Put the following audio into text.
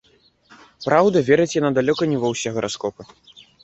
Праўда, верыць яна далёка не ва ўсе гараскопы.